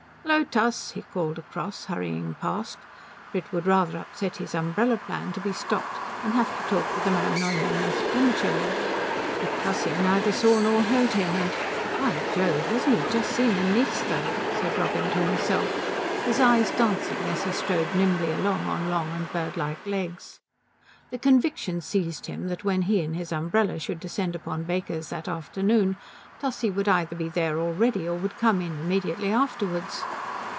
"Hullo, Tuss," he called across, hurrying past, for it would rather upset his umbrella plan to be stopped and have to talk to the man Neumann thus prematurely. But Tussie neither saw nor heard him, and "By Jove, hasn't he just seen the niece though," said Robin to himself, his eyes dancing as he strode nimbly along on long and bird like legs. The conviction seized him that when he and his umbrella should descend upon Baker's that afternoon Tussie would either be there already or would come in immediately afterwards.